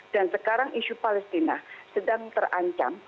dan sekarang isu palestina sedang terancam